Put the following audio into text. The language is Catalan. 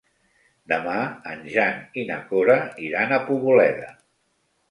Demà en Jan i na Cora iran a Poboleda.